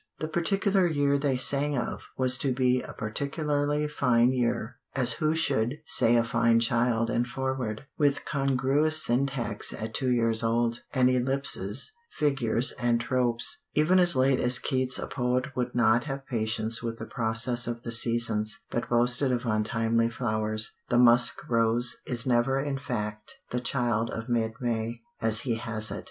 The particular year they sang of was to be a particularly fine year, as who should say a fine child and forward, with congruous syntax at two years old, and ellipses, figures, and tropes. Even as late as Keats a poet would not have patience with the process of the seasons, but boasted of untimely flowers. The "musk rose" is never in fact the child of mid May, as he has it.